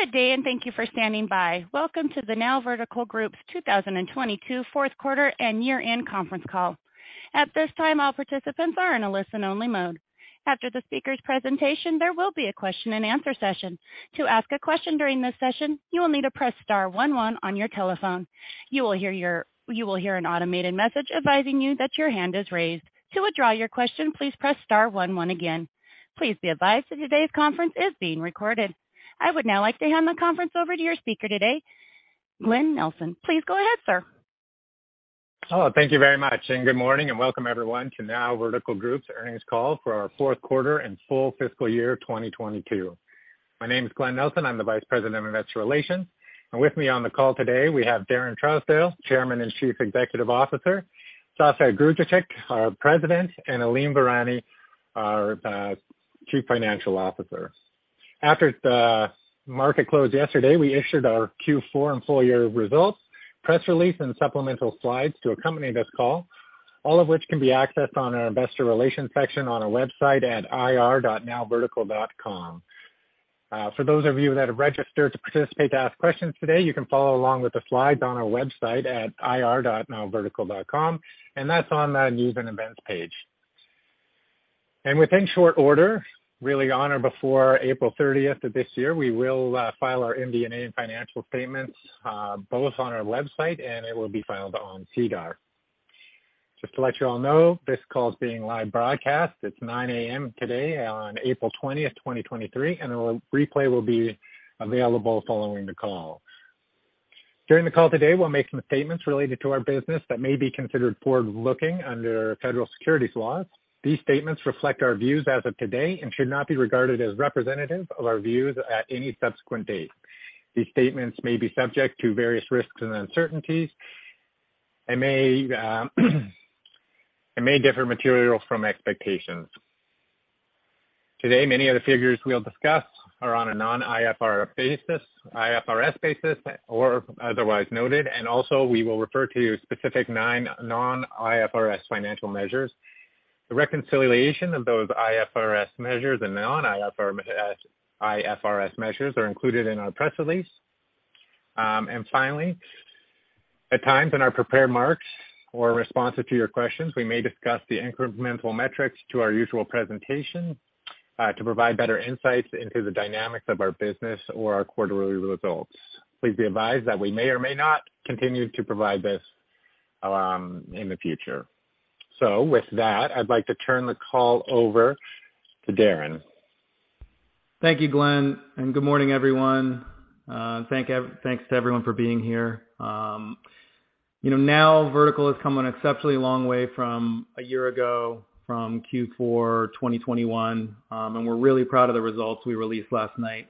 Good day, and thank you for standing by. Welcome to the NowVertical Group's 2022 fourth quarter and year-end conference call. At this time, all participants are in a listen-only mode. After the speaker's presentation, there will be a question-and-answer session. To ask a question during this session, you will need to press star one one on your telephone. You will hear an automated message advising you that your hand is raised. To withdraw your question, please press star one one again. Please be advised that today's conference is being recorded. I would now like to hand the conference over to your speaker today, Glen Nelson. Please go ahead, sir. Hello. Thank you very much, and good morning, and welcome everyone to NowVertical Group's earnings call for our fourth quarter and full fiscal year 2022. My name is Glen Nelson. I'm the Vice President of Investor Relations, and with me on the call today, we have Daren Trousdell, Chairman and Chief Executive Officer, Sasha Grujicic, our President, and Alim Virani, our Chief Financial Officer. After the market closed yesterday, we issued our Q4 and full-year results, press release, and supplemental slides to accompany this call, all of which can be accessed on our investor relations section on our website at ir.nowvertical.com. For those of you that have registered to participate to ask questions today, you can follow along with the slides on our website at ir.nowvertical.com, and that's on the News and Events page. Within short order, really on or before April 30th of this year, we will file our MD&A and financial statements, both on our website, and it will be filed on SEDAR. Just to let you all know, this call is being live broadcast. It's 9:00 A.M. today on April 20th, 2023. A replay will be available following the call. During the call today, we'll make some statements related to our business that may be considered forward-looking under federal securities laws. These statements reflect our views as of today and should not be regarded as representative of our views at any subsequent date. These statements may be subject to various risks and uncertainties and may differ materially from expectations. Today, many of the figures we'll discuss are on a non-IFRS basis or otherwise noted. Also, we will refer to specific nine non-IFRS financial measures. The reconciliation of those IFRS measures and non-IFRS measures are included in our press release. Finally, at times in our prepared marks or responses to your questions, we may discuss the incremental metrics to our usual presentation to provide better insights into the dynamics of our business or our quarterly results. Please be advised that we may or may not continue to provide this in the future. With that, I'd like to turn the call over to Daren. Thank you, Glen. Good morning, everyone. Thanks to everyone for being here. You know, NowVertical has come an exceptionally long way from a year ago from Q4 2021. We're really proud of the results we released last night.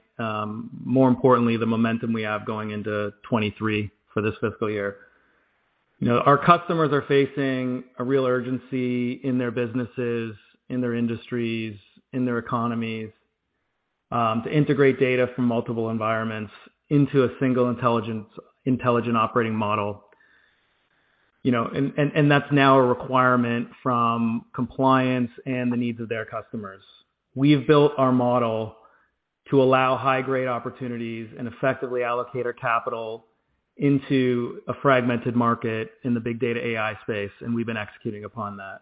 More importantly, the momentum we have going into 2023 for this fiscal year. You know, our customers are facing a real urgency in their businesses, in their industries, in their economies, to integrate data from multiple environments into a single intelligent operating model. You know, that's now a requirement from compliance and the needs of their customers. We've built our model to allow high-grade opportunities and effectively allocate our capital into a fragmented market in the big data AI space. We've been executing upon that.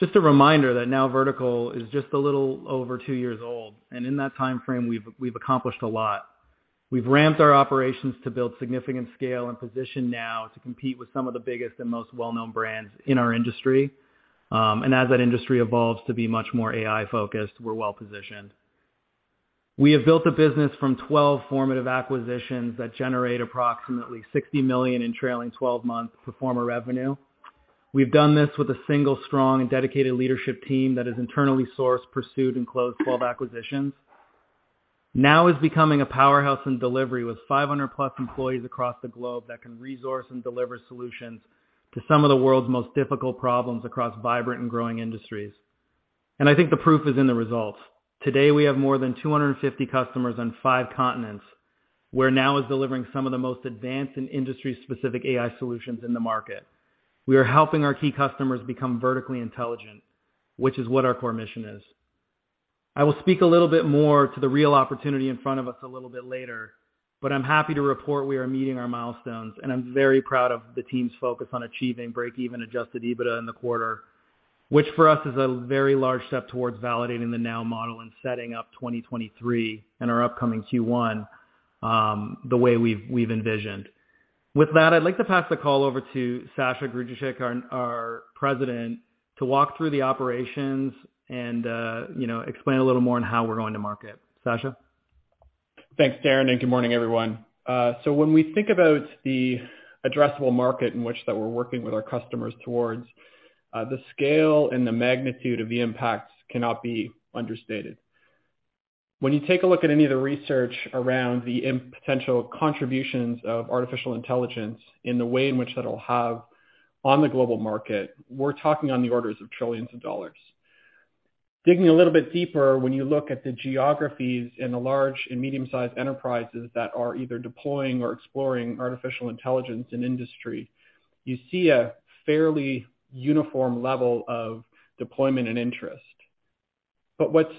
Just a reminder that NowVertical is just a little over two years old, and in that timeframe, we've accomplished a lot. We've ramped our operations to build significant scale and position now to compete with some of the biggest and most well-known brands in our industry. As that industry evolves to be much more AI-focused, we're well-positioned. We have built a business from 12 formative acquisitions that generate approximately 60 million in trailing twelve-month pro forma revenue. We've done this with a single strong and dedicated leadership team that has internally sourced, pursued, and closed 12 acquisitions. Now is becoming a powerhouse in delivery with 500+ employees across the globe that can resource and deliver solutions to some of the world's most difficult problems across vibrant and growing industries. I think the proof is in the results. Today, we have more than 250 customers on five continents, where Now is delivering some of the most advanced and industry-specific AI solutions in the market. We are helping our key customers become vertically intelligent, which is what our core mission is. I will speak a little bit more to the real opportunity in front of us a little bit later, but I'm happy to report we are meeting our milestones, and I'm very proud of the team's focus on achieving break-even Adjusted EBITDA in the quarter, which for us is a very large step towards validating the Now model and setting up 2023 and our upcoming Q1, the way we've envisioned. With that, I'd like to pass the call over to Sasha Grujicic, our President, to walk through the operations and, you know, explain a little more on how we're going to market. Sasha? Thanks, Daren, good morning, everyone. When we think about the addressable market in which that we're working with our customers towards, the scale and the magnitude of the impacts cannot be understated. When you take a look at any of the research around the potential contributions of artificial intelligence in the way in which that'll have on the global market, we're talking on the orders of trillions of dollars. Digging a little bit deeper, when you look at the geographies in the large and medium-sized enterprises that are either deploying or exploring artificial intelligence in industry, you see a fairly uniform level of deployment and interest. What's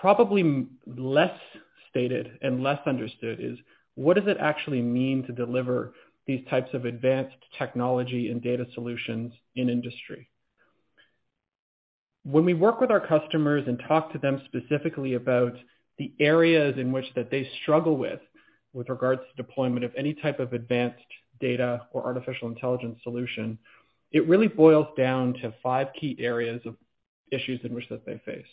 probably less stated and less understood is what does it actually mean to deliver these types of advanced technology and data solutions in industry? When we work with our customers and talk to them specifically about the areas in which that they struggle with regards to deployment of any type of advanced data or artificial intelligence solution, it really boils down to five key areas of issues in which that they face.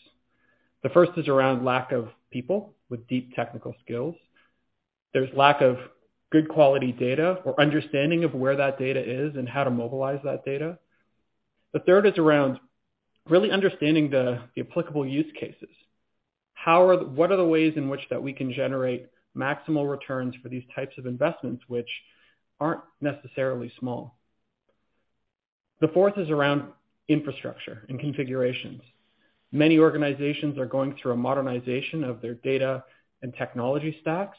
The first is around lack of people with deep technical skills. There's lack of good quality data or understanding of where that data is and how to mobilize that data. The third is around really understanding the applicable use cases. What are the ways in which that we can generate maximal returns for these types of investments, which aren't necessarily small. The fourth is around infrastructure and configurations. Many organizations are going through a modernization of their data and technology stacks,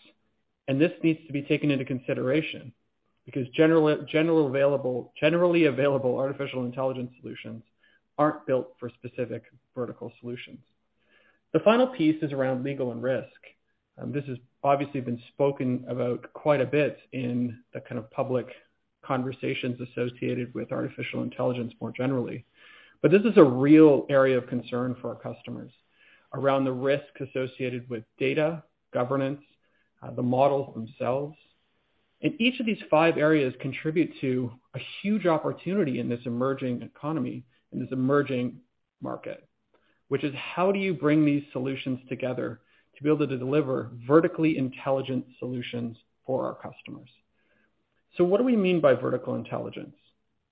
this needs to be taken into consideration because generally available artificial intelligence solutions aren't built for specific vertical solutions. The final piece is around legal and risk. This has obviously been spoken about quite a bit in the kind of public conversations associated with artificial intelligence more generally. This is a real area of concern for our customers around the risk associated with data governance, the models themselves. Each of these five areas contribute to a huge opportunity in this emerging economy, in this emerging market. How do you bring these solutions together to be able to deliver vertically intelligent solutions for our customers? What do we mean by Vertical Intelligence,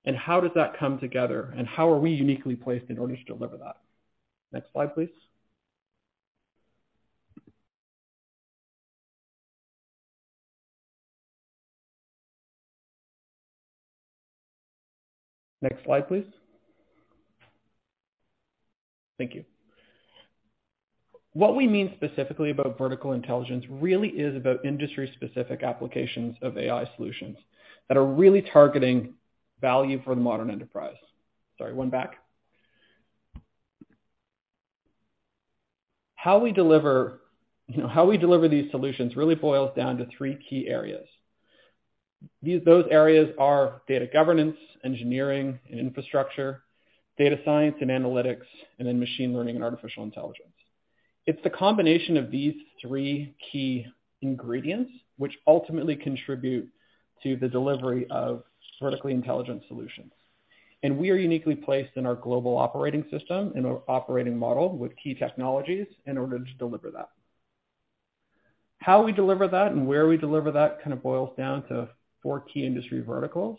and how does that come together, and how are we uniquely placed in order to deliver that? Next slide, please. Next slide, please. Thank you. What we mean specifically about Vertical Intelligence really is about industry-specific applications of AI solutions that are really targeting value for the modern enterprise. Sorry, one back. How we deliver, you know, how we deliver these solutions really boils down to three key areas. Those areas are Data Governance, Engineering and Infrastructure, Data Science and Analytics, and then Machine Learning Artificial Intelligence. It's the combination of these three key ingredients which ultimately contribute to the delivery of vertically intelligent solutions. We are uniquely placed in our global operating system, in our operating model with key technologies in order to deliver that. How we deliver that and where we deliver that kind of boils down to four key industry verticals.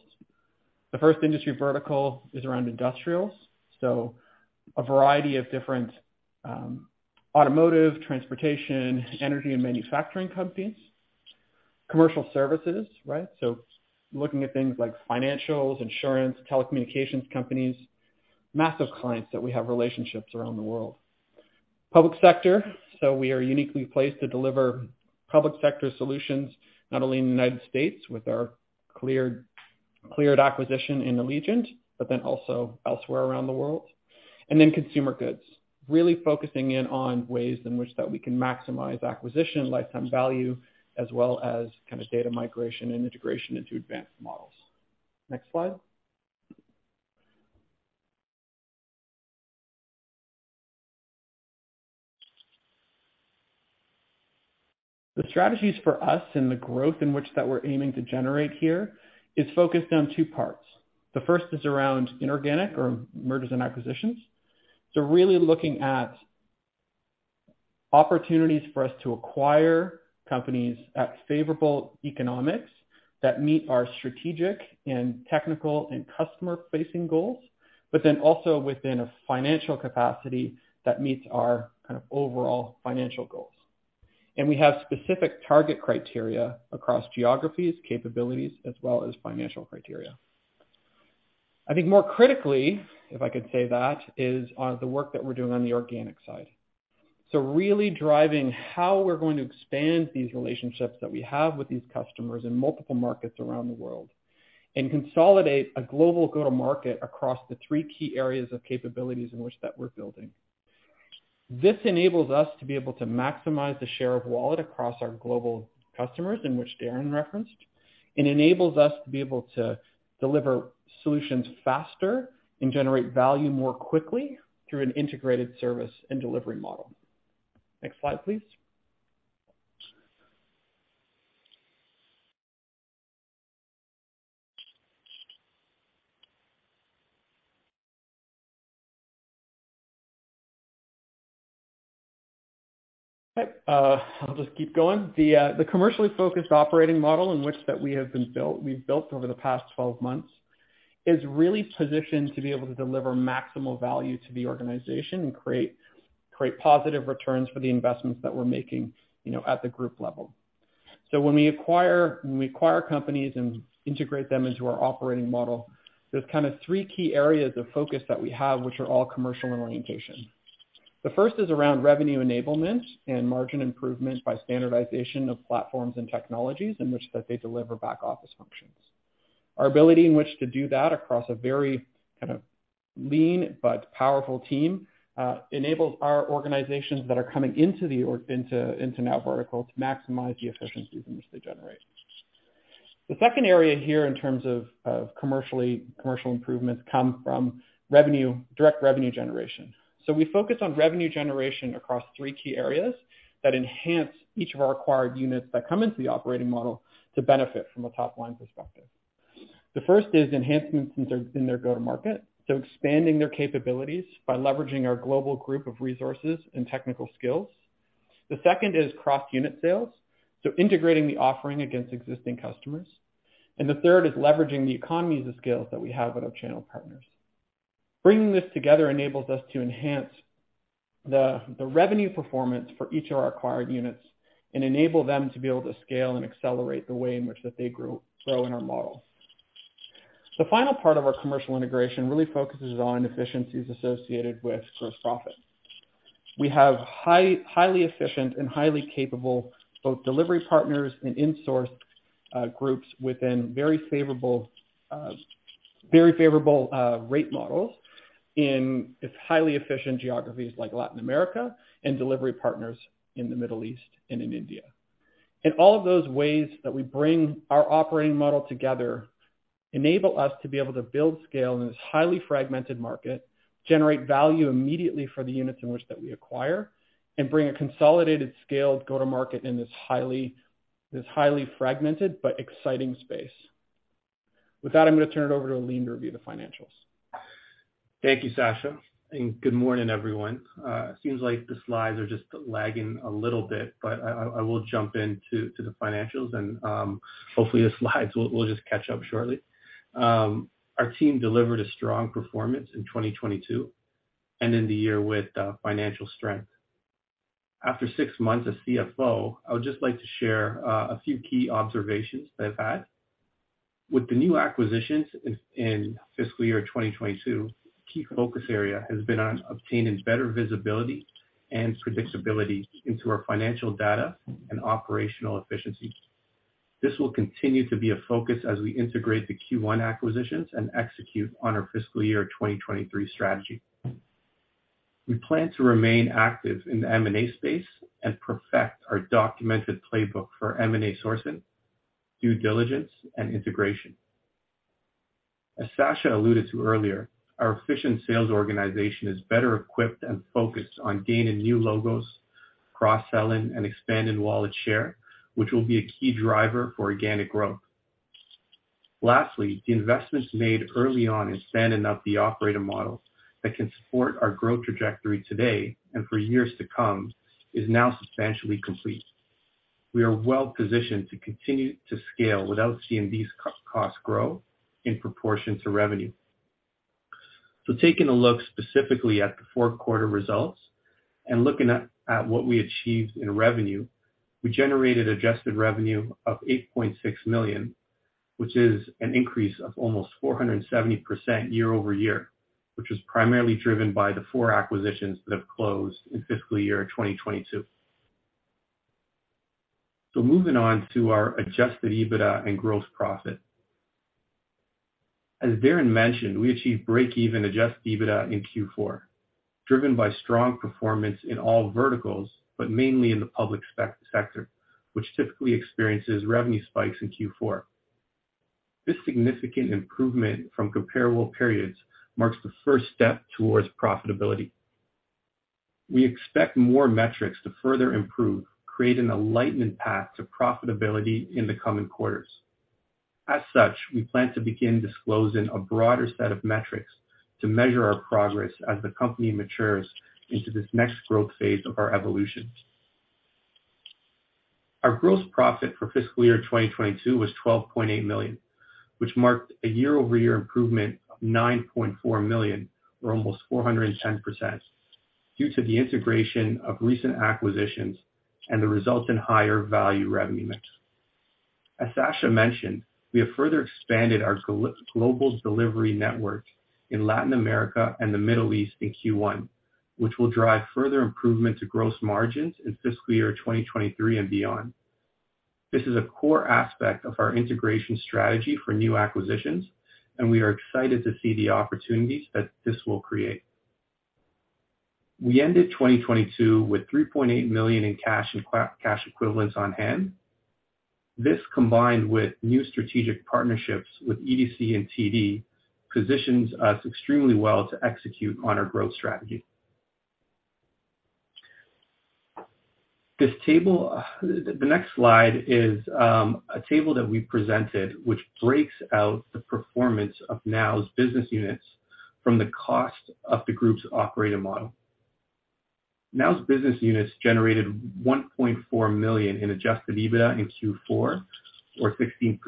The first industry vertical is around Industrials, so a variety of different automotive, transportation, energy, and manufacturing companies. Commercial Services, right? Looking at things like financials, insurance, telecommunications companies, massive clients that we have relationships around the world. Public Sector, so we are uniquely placed to deliver public sector solutions, not only in the United States with our cleared acquisition in Allegient Defense, but then also elsewhere around the world. Consumer Goods, really focusing in on ways in which that we can maximize acquisition lifetime value as well as kind of data migration and integration into advanced models. Next slide. The strategies for us and the growth in which that we're aiming to generate here is focused on two parts. The first is around inorganic or mergers and acquisitions. Really looking at opportunities for us to acquire companies at favorable economics that meet our strategic and technical and customer-facing goals, also within a financial capacity that meets our kind of overall financial goals. We have specific target criteria across geographies, capabilities, as well as financial criteria. I think more critically, if I could say that, is on the work that we're doing on the organic side. Really driving how we're going to expand these relationships that we have with these customers in multiple markets around the world, and consolidate a global go-to-market across the three key areas of capabilities in which that we're building. This enables us to be able to maximize the share of wallet across our global customers, in which Daren referenced. It enables us to be able to deliver solutions faster and generate value more quickly through an integrated service and delivery model. Next slide, please. Okay, I'll just keep going. The commercially focused operating model in which that we have built over the past 12 months is really positioned to be able to deliver maximal value to the organization and create positive returns for the investments that we're making, you know, at the group level. When we acquire companies and integrate them into our operating model, there's kind of three key areas of focus that we have which are all commercial in orientation. The first is around revenue enablement and margin improvement by standardization of platforms and technologies in which that they deliver back-office functions. Our ability in which to do that across a very kind of lean but powerful team, enables our organizations that are coming into NowVertical to maximize the efficiencies in which they generate. The second area here in terms of commercial improvements come from revenue, direct revenue generation. We focus on revenue generation across three key areas that enhance each of our acquired units that come into the operating model to benefit from a top-line perspective. The first is enhancements in their go-to-market, so expanding their capabilities by leveraging our global group of resources and technical skills. The second is cross-unit sales, so integrating the offering against existing customers. The third is leveraging the economies of scale that we have with our channel partners. Bringing this together enables us to enhance the revenue performance for each of our acquired units and enable them to be able to scale and accelerate the way in which that they grow in our model. The final part of our commercial integration really focuses on efficiencies associated with gross profit. We have highly efficient and highly capable, both delivery partners and insourced groups within very favorable, very favorable rate models in its highly efficient geographies like Latin America and delivery partners in the Middle East and in India. All of those ways that we bring our operating model together enable us to be able to build scale in this highly fragmented market, generate value immediately for the units in which that we acquire, and bring a consolidated scaled go-to-market in this highly fragmented but exciting space. With that, I'm gonna turn it over to Alim to review the financials. Thank you, Sasha. Good morning, everyone. Seems like the slides are just lagging a little bit, I will jump into the financials and hopefully, the slides will just catch up shortly. Our team delivered a strong performance in 2022, ending the year with financial strength. After six months as CFO, I would just like to share a few key observations that I've had. With the new acquisitions in fiscal year 2022, key focus area has been on obtaining better visibility and predictability into our financial data and operational efficiency. This will continue to be a focus as we integrate the Q1 acquisitions and execute on our fiscal year 2023 strategy. We plan to remain active in the M&A space and perfect our documented playbook for M&A sourcing, due diligence, and integration. As Sasha alluded to earlier, our efficient sales organization is better equipped and focused on gaining new logos, cross-selling, and expanding wallet share, which will be a key driver for organic growth. Lastly, the investments made early on in sanding up the operating model that can support our growth trajectory today and for years to come is now substantially complete. We are well-positioned to continue to scale without seeing these co-costs grow in proportion to revenue. Taking a look specifically at the fourth quarter results and looking at what we achieved in revenue, we generated adjusted revenue of 8.6 million, which is an increase of almost 470% year-over-year, which was primarily driven by the four acquisitions that have closed in fiscal year 2022. Moving on to our Adjusted EBITDA and gross profit. As Daren mentioned, we achieved break-even Adjusted EBITDA in Q4, driven by strong performance in all verticals, but mainly in the public sector, which typically experiences revenue spikes in Q4. This significant improvement from comparable periods marks the first step towards profitability. We expect more metrics to further improve, creating a lightning path to profitability in the coming quarters. As such, we plan to begin disclosing a broader set of metrics to measure our progress as the company matures into this next growth phase of our evolution. Our gross profit for fiscal year 2022 was 12.8 million, which marked a year-over-year improvement of 9.4 million, or almost 410%, due to the integration of recent acquisitions and the resulting higher value revenue mix. As Sasha mentioned, we have further expanded our global delivery network in Latin America and the Middle East in Q1, which will drive further improvement to gross margins in fiscal year 2023 and beyond. This is a core aspect of our integration strategy for new acquisitions, and we are excited to see the opportunities that this will create. We ended 2022 with 3.8 million in cash and cash equivalents on hand. This combined with new strategic partnerships with EDC and TD, positions us extremely well to execute on our growth strategy. The next slide is a table that we presented which breaks out the performance of Now's business units from the cost of the group's operating model. Now's business units generated 1.4 million in Adjusted EBITDA in Q4, or 16%,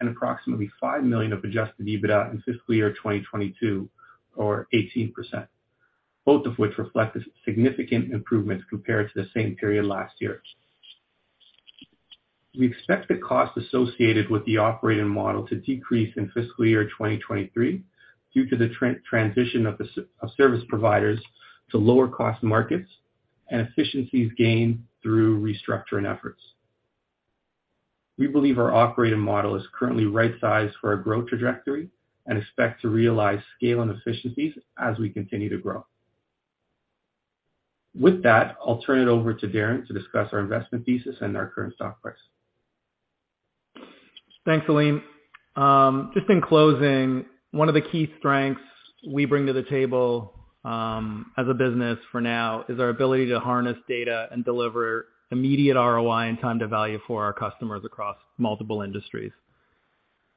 and approximately 5 million of Adjusted EBITDA in fiscal year 2022, or 18%, both of which reflect a significant improvement compared to the same period last year. We expect the cost associated with the operating model to decrease in fiscal year 2023 due to the transition of service providers to lower-cost markets Efficiencies gained through restructuring efforts. We believe our operating model is currently right-sized for our growth trajectory and expect to realize scale and efficiencies as we continue to grow. With that, I'll turn it over to Daren to discuss our investment thesis and our current stock price. Thanks, Alim. Just in closing, one of the key strengths we bring to the table, as a business for now is our ability to harness data and deliver immediate ROI and time to value for our customers across multiple industries.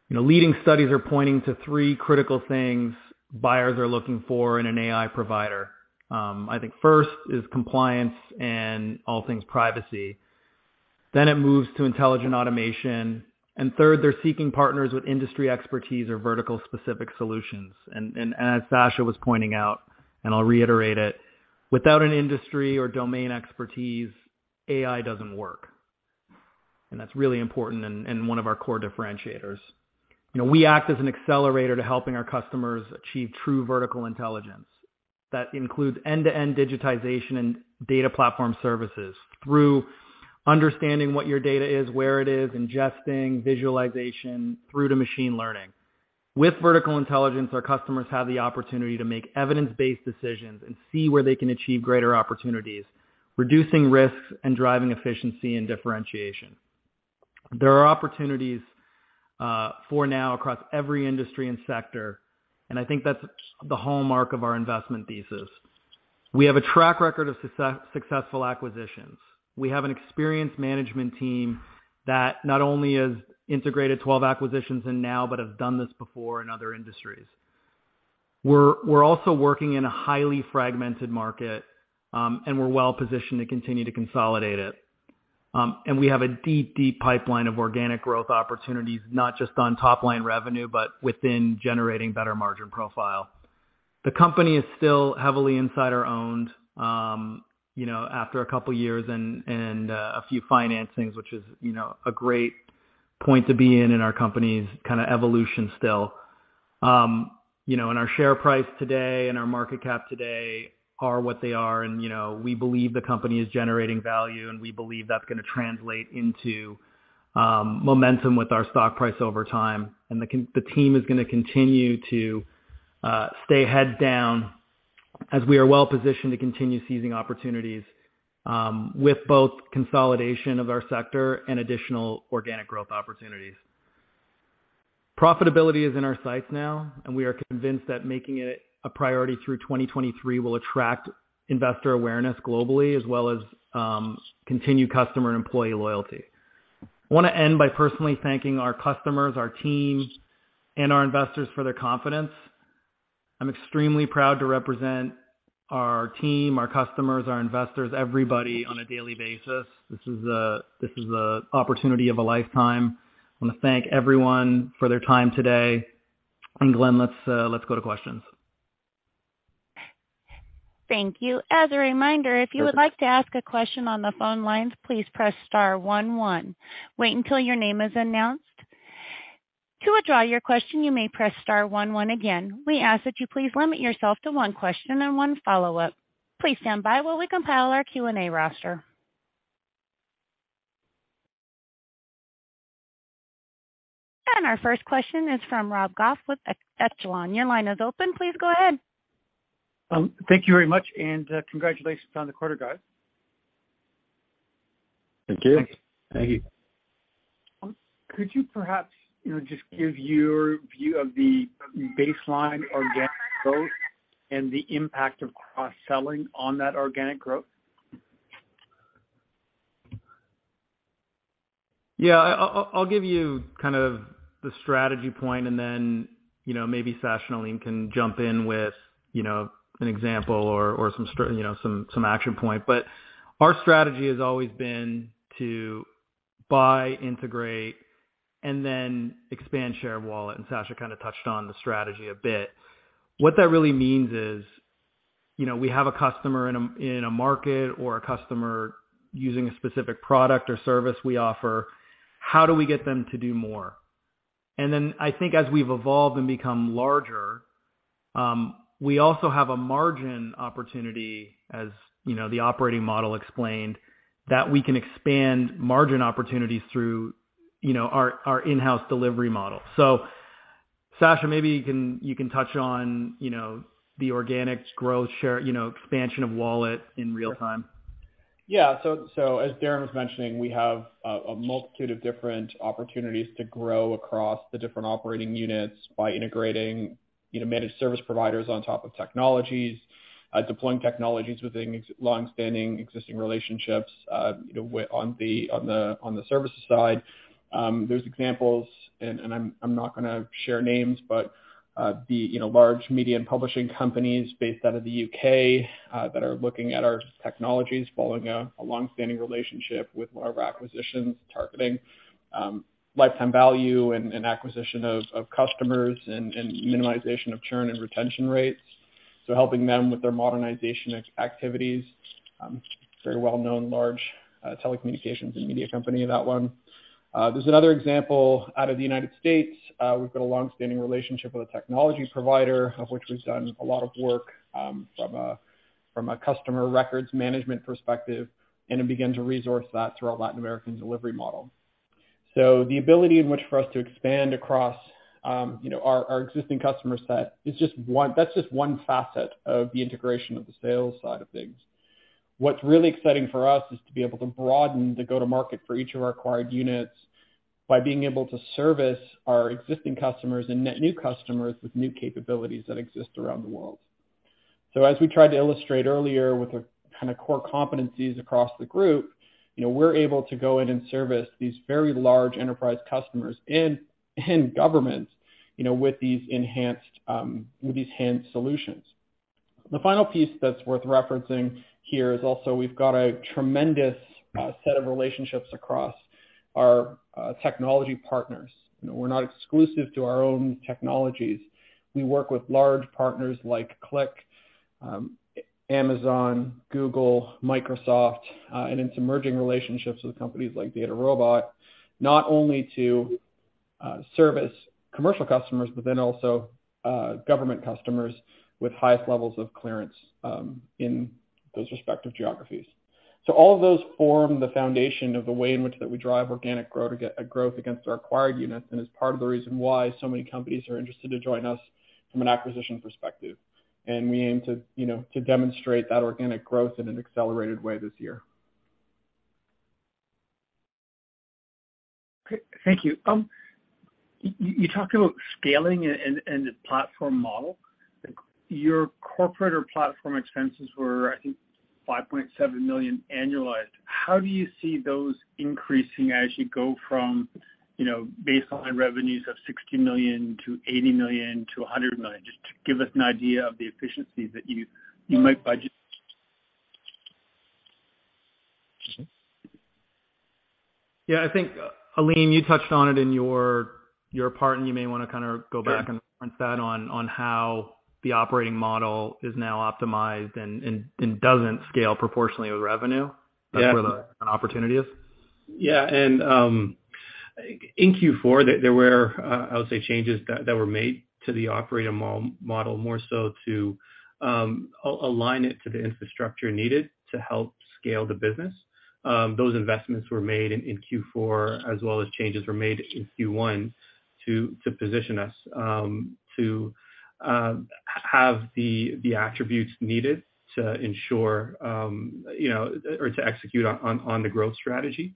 You know, leading studies are pointing to three critical things buyers are looking for in an AI provider. I think first is compliance and all things privacy. It moves to intelligent automation. Third, they're seeking partners with industry expertise or vertical specific solutions. As Sasha was pointing out, and I'll reiterate it, without an industry or domain expertise, AI doesn't work. That's really important and one of our core differentiators. You know, we act as an accelerator to helping our customers achieve true Vertical Intelligence. That includes end-to-end digitization and data platform services through understanding what your data is, where it is, ingesting, visualization through to machine learning. With Vertical Intelligence, our customers have the opportunity to make evidence-based decisions and see where they can achieve greater opportunities, reducing risks and driving efficiency and differentiation. There are opportunities for now across every industry and sector, and I think that's the hallmark of our investment thesis. We have a track record of successful acquisitions. We have an experienced management team that not only has integrated 12 acquisitions in now but have done this before in other industries. We're also working in a highly fragmented market, and we're well positioned to continue to consolidate it. We have a deep, deep pipeline of organic growth opportunities, not just on top line revenue, but within generating better margin profile. The company is still heavily insider-owned, you know, after two years and a few financings, which is, you know, a great point to be in in our company's kind of evolution still. You know, our share price today and our market cap today are what they are. You know, we believe the company is generating value, and we believe that's gonna translate into momentum with our stock price over time. The team is gonna continue to stay heads down as we are well positioned to continue seizing opportunities with both consolidation of our sector and additional organic growth opportunities. Profitability is in our sights now, we are convinced that making it a priority through 2023 will attract investor awareness globally as well as continued customer and employee loyalty. I wanna end by personally thanking our customers, our team, and our investors for their confidence. I'm extremely proud to represent our team, our customers, our investors, everybody on a daily basis. This is a opportunity of a lifetime. I wanna thank everyone for their time today. Glen, let's go to questions. Thank you. As a reminder, if you would like to ask a question on the phone lines, please press star one one. Wait until your name is announced. To withdraw your question, you may press star one one again. We ask that you please limit yourself to one question and one follow-up. Please stand by while we compile our Q&A roster. Our first question is from Rob Goff with Echelon. Your line is open. Please go ahead. Thank you very much, congratulations on the quarter guide. Thank you. Thank you. Could you perhaps, you know, just give your view of the baseline organic growth and the impact of cross-selling on that organic growth? Yeah. I'll give you kind of the strategy point and then, you know, maybe Sasha and Alim can jump in with, you know, an example or, you know, some action point. Our strategy has always been to buy, integrate, and then expand share of wallet, and Sasha kind of touched on the strategy a bit. What that really means is, you know, we have a customer in a market or a customer using a specific product or service we offer, how do we get them to do more? I think as we've evolved and become larger, we also have a margin opportunity, as, you know, the operating model explained, that we can expand margin opportunities through, you know, our in-house delivery model. Sasha, maybe you can touch on, you know, the organic growth share, you know, expansion of wallet in real time. Yeah. As Daren was mentioning, we have a multitude of different opportunities to grow across the different operating units by integrating, you know, managed service providers on top of technologies, deploying technologies within long-standing existing relationships, you know, on the services side. There's examples, and I'm not gonna share names, but, you know, large media and publishing companies based out of the U.K., that are looking at our technologies following a long-standing relationship with one of our acquisitions, targeting lifetime value and acquisition of customers and minimization of churn and retention rates. Helping them with their modernization activities. Very well-known large telecommunications and media company, that one. There's another example out of the United States. We've got a long-standing relationship with a technology provider of which we've done a lot of work, from a customer records management perspective, and then begin to resource that through our Latin American delivery model. The ability in which for us to expand across, you know, our existing customer set is just one, that's just one facet of the integration of the sales side of things. What's really exciting for us is to be able to broaden the go-to-market for each of our acquired units by being able to service our existing customers and net new customers with new capabilities that exist around the world. As we tried to illustrate earlier with the kind of core competencies across the group, you know, we're able to go in and service these very large enterprise customers and governments, you know, with these enhanced solutions. The final piece that's worth referencing here is also we've got a tremendous set of relationships across our technology partners. You know, we're not exclusive to our own technologies. We work with large partners like Qlik, Amazon, Google, Microsoft, and it's emerging relationships with companies like DataRobot, not only to service commercial customers but then also government customers with highest levels of clearance in those respective geographies. All of those form the foundation of the way in which that we drive organic growth against our acquired units, and is part of the reason why so many companies are interested to join us from an acquisition perspective. We aim to, you know, to demonstrate that organic growth in an accelerated way this year. Okay. Thank you. You talked about scaling and the platform model. Your corporate or platform expenses were, I think, 5.7 million annualized. How do you see those increasing as you go from, you know, baseline revenues of 60 million-80 million-CAD 100 million? Just to give us an idea of the efficiencies that you might budget? Yeah, I think, Alim, you touched on it in your part, and you may wanna kind of go back and reference that on how the operating model is now optimized and doesn't scale proportionally with revenue. Yeah. That's where the opportunity is. Yeah. In Q4, there were, I would say changes that were made to the operating model, more so to align it to the infrastructure needed to help scale the business. Those investments were made in Q4 as well as changes were made in Q1 to position us to have the attributes needed to ensure, you know, or to execute on the growth strategy.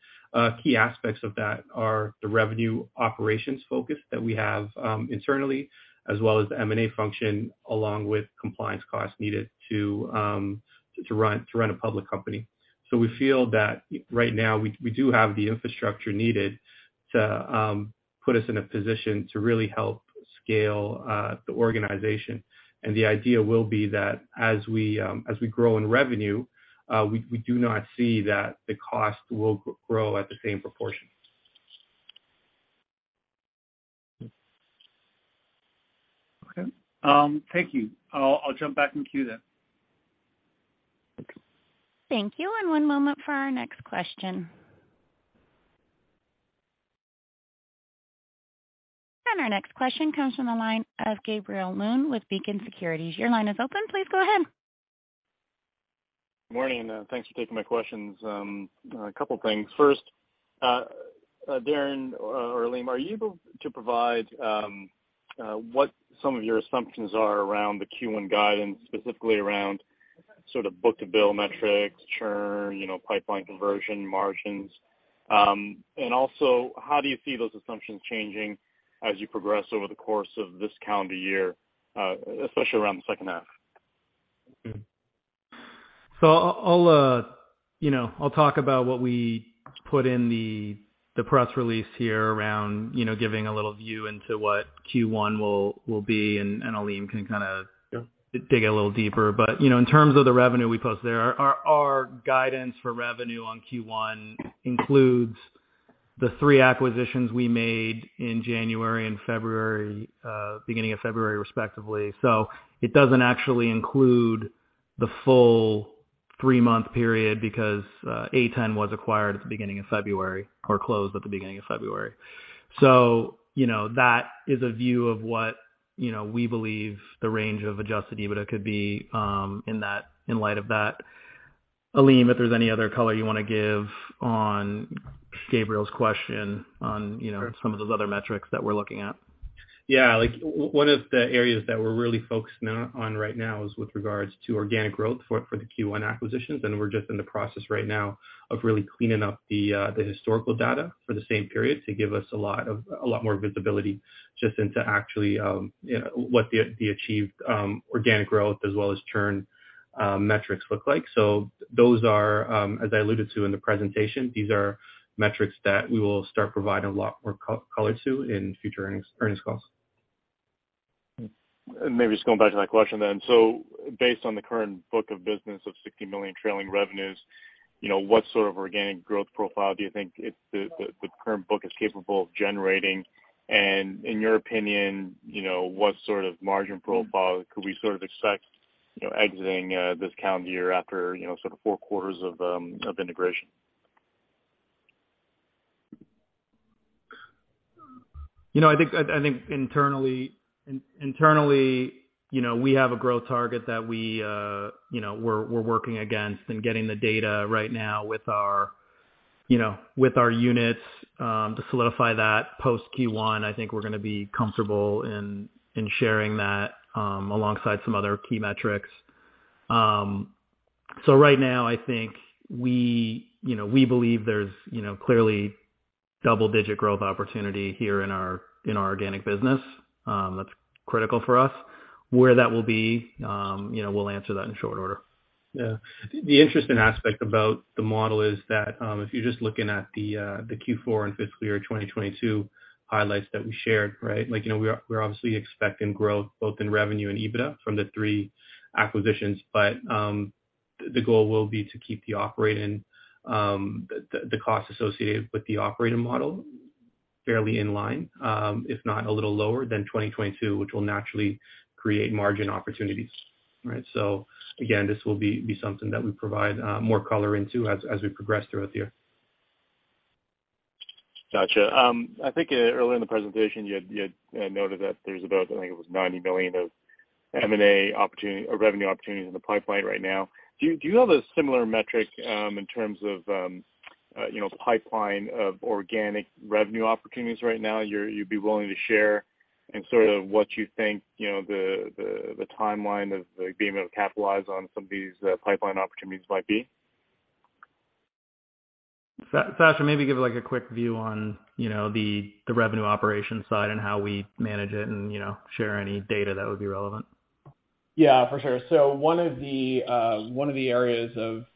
Key aspects of that are the revenue operations focus that we have internally, as well as the M&A function, along with compliance costs needed to run a public company. We feel that right now, we do have the infrastructure needed to put us in a position to really help scale the organization. The idea will be that as we grow in revenue, we do not see that the cost will grow at the same proportion. Okay. thank you. I'll jump back in queue then. Thank you. One moment for our next question. Our next question comes from the line of Gabriel Leung with Beacon Securities. Your line is open. Please go ahead. Morning, thanks for taking my questions. A couple things. First, Daren, or Alim, are you able to provide what some of your assumptions are around the Q1 guidance, specifically around sort of book-to-bill metrics, churn, you know, pipeline conversion margins? Also, how do you see those assumptions changing as you progress over the course of this calendar year, especially around the second half? I'll, you know, I'll talk about what we put in the press release here around, you know, giving a little view into what Q1 will be, and Alim can. Yeah. Dig a little deeper. You know, in terms of the revenue we post there, our guidance for revenue on Q1 includes the three acquisitions we made in January and February, beginning of February, respectively. It doesn't actually include the full 3-month period because A10 was acquired at the beginning of February or closed at the beginning of February. You know, that is a view of what, you know, we believe the range of Adjusted EBITDA could be, in that, in light of that. Alim, if there's any other color you wanna give on Gabriel's question on, you know, some of those other metrics that we're looking at. Yeah. Like, one of the areas that we're really focused on right now is with regards to organic growth for the Q1 acquisitions. We're just in the process right now of really cleaning up the historical data for the same period to give us a lot more visibility just into actually, you know, what the achieved organic growth as well as churn metrics look like. Those are, as I alluded to in the presentation, these are metrics that we will start providing a lot more color to in future earnings calls. Maybe just going back to that question then. Based on the current book of business of 60 million trailing revenues, you know, what sort of organic growth profile do you think the current book is capable of generating? In your opinion, you know, what sort of margin profile could we sort of expect, you know, exiting this calendar year after, you know, sort of four quarters of integration? You know, I think internally, you know, we have a growth target that we, you know, we're working against and getting the data right now with our, you know, with our units to solidify that post Q1. I think we're gonna be comfortable in sharing that alongside some other key metrics. Right now, I think we, you know, we believe there's, you know, clearly double digit growth opportunity here in our organic business that's critical for us. Where that will be, you know, we'll answer that in short order. The interesting aspect about the model is that, if you're just looking at the Q4 and fiscal year 2022 highlights that we shared, right? Like, you know, we're obviously expecting growth both in revenue and EBITDA from the three acquisitions. The goal will be to keep the operating, the costs associated with the operating model fairly in line, if not a little lower than 2022, which will naturally create margin opportunities, right? Again, this will be something that we provide more color into as we progress throughout the year. Gotcha. I think, earlier in the presentation, you had noted that there's about, I think it was 90 million of M&A opportunity or revenue opportunities in the pipeline right now. Do you have a similar metric, in terms of, you know, pipeline of organic revenue opportunities right now you'd be willing to share and sort of what you think, you know, the timeline of being able to capitalize on some of these pipeline opportunities might be? Sasha, maybe give, like, a quick view on, you know, the revenue operations side and how we manage it and, you know, share any data that would be relevant. Yeah, for sure. One of the areas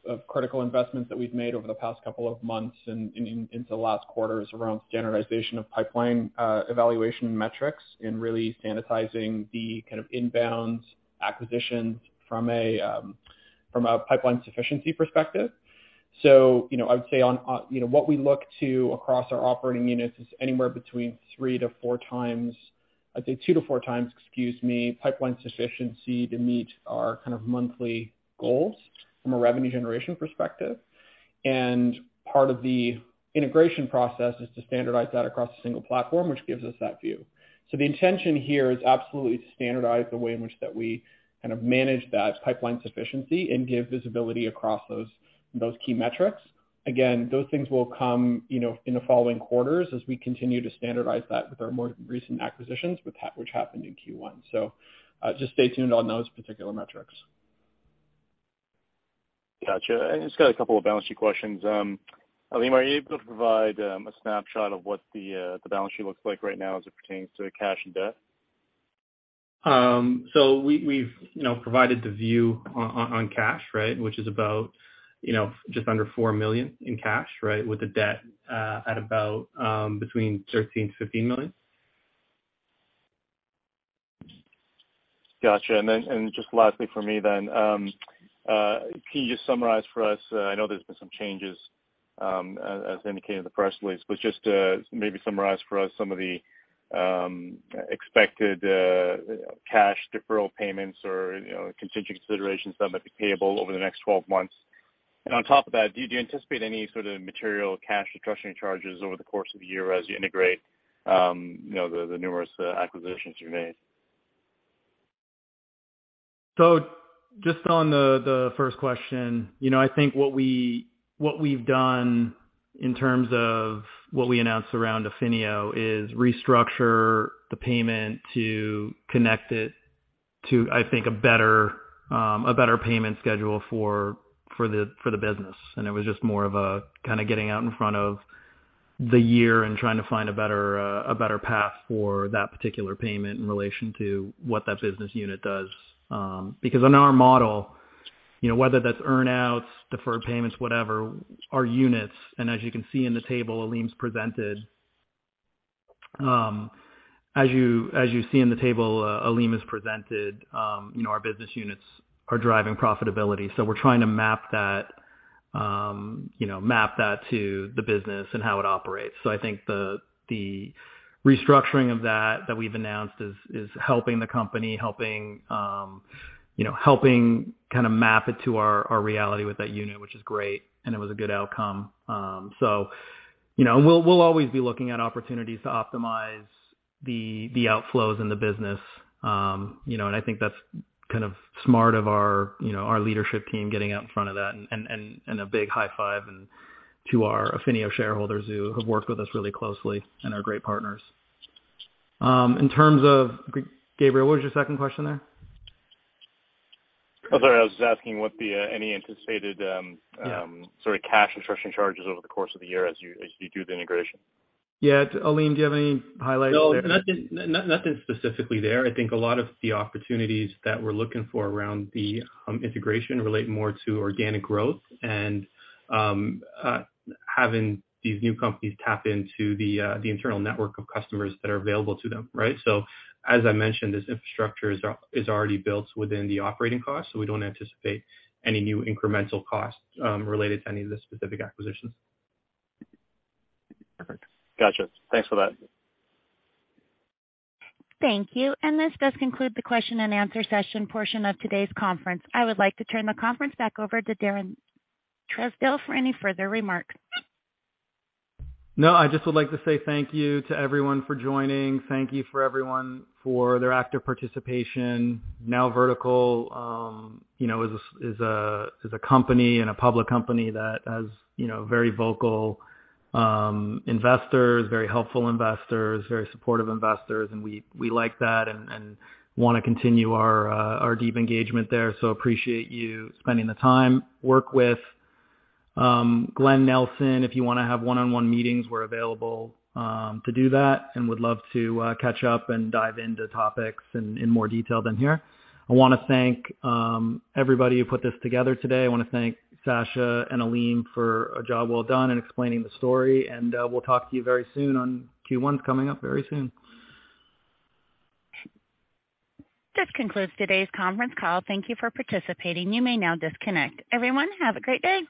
of critical investments that we've made over the past couple of months and into the last quarter is around standardization of pipeline evaluation metrics and really standardizing the kind of inbounds acquisitions from a pipeline sufficiency perspective. You know, I would say on, you know, what we look to across our operating units is anywhere between 3x-4x. I'd say 2x-4x, excuse me, pipeline sufficiency to meet our kind of monthly goals from a revenue generation perspective. Part of the integration process is to standardize that across a single platform, which gives us that view. The intention here is absolutely to standardize the way in which that we kind of manage that pipeline sufficiency and give visibility across those key metrics. Again, those things will come, you know, in the following quarters as we continue to standardize that with our more recent acquisitions which happened in Q1. Just stay tuned on those particular metrics. Gotcha. I just got a couple of balance sheet questions. Alim, are you able to provide a snapshot of what the balance sheet looks like right now as it pertains to cash and debt? We've, you know, provided the view on cash, right? Which is about, you know, just under 4 million in cash, right? With the debt at about between 13 million-15 million. Gotcha. Just lastly for me then, can you just summarize for us, I know there's been some changes, as indicated in the press release, just to maybe summarize for us some of the expected cash deferral payments or, you know, contingent considerations that might be payable over the next 12 months. On top of that, do you anticipate any sort of material cash or structuring charges over the course of the year as you integrate, you know, the numerous acquisitions you made? Just on the first question, you know, I think what we, what we've done in terms of what we announced around Affinio is restructure the payment to connect it to, I think, a better, a better payment schedule for the business. It was just more of a kind of getting out in front of the year and trying to find a better, a better path for that particular payment in relation to what that business unit does. Because in our model, you know, whether that's earn-outs, deferred payments, whatever, our units and as you can see in the table Alim has presented, you know, our business units are driving profitability. We're trying to map that, you know, map that to the business and how it operates. I think the restructuring of that we've announced is helping the company, helping, you know, helping kind of map it to our reality with that unit, which is great, and it was a good outcome. You know, we'll always be looking at opportunities to optimize the outflows in the business. You know, I think that's kind of smart of our leadership team getting out in front of that and a big high five and to our Affinio shareholders who have worked with us really closely and are great partners. Gabriel, what was your second question there? Oh, sorry. I was asking what the, any anticipated. Yeah. Sort of cash instruction charges over the course of the year as you do the integration. Yeah. Alim, do you have any highlights there? No. Nothing specifically there. I think a lot of the opportunities that we're looking for around the integration relate more to organic growth and having these new companies tap into the internal network of customers that are available to them, right? As I mentioned, this infrastructure is already built within the operating costs, so we don't anticipate any new incremental costs related to any of the specific acquisitions. Perfect. Gotcha. Thanks for that. Thank you. This does conclude the question and answer session portion of today's conference. I would like to turn the conference back over to Daren Trousdell for any further remarks. No, I just would like to say thank you to everyone for joining. Thank you for everyone for their active participation. NowVertical, you know, is a company and a public company that has, you know, very vocal investors, very helpful investors, very supportive investors, and we like that and want to continue our deep engagement there. Appreciate you spending the time work with Glen Nelson. If you want to have one-on-one meetings, we're available to do that and would love to catch up and dive into topics in more detail than here. I want to thank everybody who put this together today. I want to thank Sasha and Alim for a job well done in explaining the story. We'll talk to you very soon on Q1 coming up very soon. This concludes today's conference call. Thank you for participating. You may now disconnect. Everyone, have a great day.